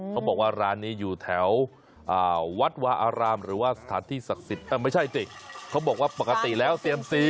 เขาบอกว่าร้านนี้อยู่แถววัดหวาอารามหรือว่าสถานที่ศักดิ์ศรี